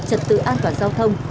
trật tự an toàn giao thông